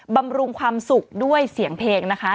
บำรุงความสุขด้วยเสียงเพลงนะคะ